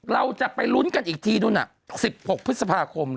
เราจะไปลุ้นกันอีกทีนู่น๑๖พฤษภาคม